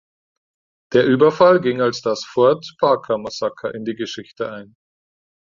Der Überfall ging als das Fort Parker-Massaker in die Geschichte ein.